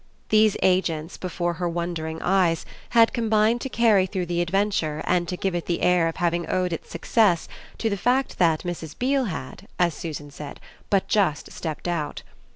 These agents, before her wondering eyes, had combined to carry through the adventure and to give it the air of having owed its success to the fact that Mrs. Beale had, as Susan said, but just stepped out.